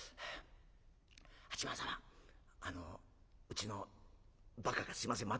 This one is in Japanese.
八幡様あのうちのバカがすいません。